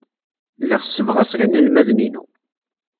Lliɣ ssebɣaseɣ inelmaden-inu.